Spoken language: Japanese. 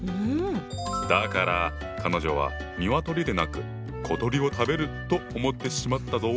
だから彼女は鶏でなく小鳥を食べると思ってしまったぞ。